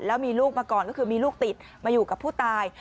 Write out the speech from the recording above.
แล้วมีลูกมาก่อนก็คือมีลูกติดมาอยู่กับผู้ตาย